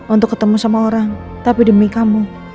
untuk ketemu sama orang tapi demi kamu